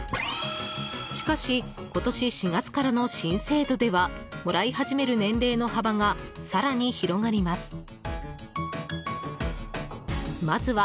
しかし今年４月からの新制度ではもらい始める年齢の幅が更に広がります。